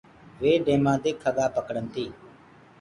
وي ڊيمآ دي کڳآ پَڪڙن تي۔